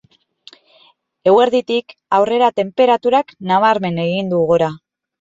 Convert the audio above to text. Eguerditik aurrera tenperaturak nabarmen egin du gora.